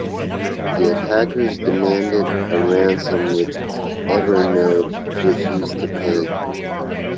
The attackers demanded a ransom, which Evernote refused to pay.